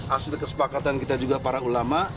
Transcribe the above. hasil kesepakatan kita juga para ulama